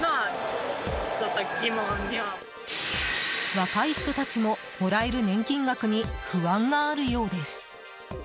若い人たちももらえる年金額に不安があるようです。